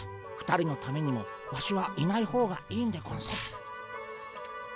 ２人のためにもワシはいない方がいいんでゴンス。